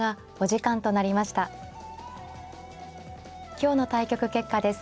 今日の対局結果です。